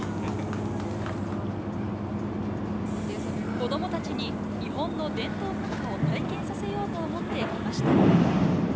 子どもたちに日本の伝統文化を体験させようと思って来ました。